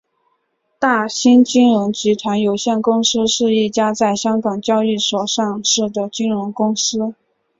大新金融集团有限公司是一家在香港交易所上市的金融公司。